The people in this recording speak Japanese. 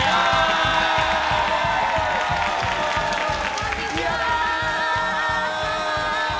こんにちは！